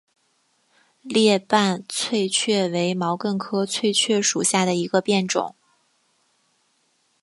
裂瓣翠雀为毛茛科翠雀属下的一个变种。